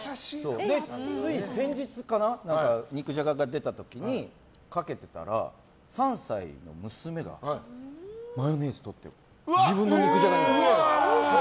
つい先日かな肉じゃがが出た時にかけてたら、３歳の娘がマヨネーズを取って自分の肉じゃがにも。